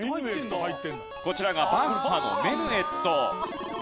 こちらがバッハの『メヌエット』。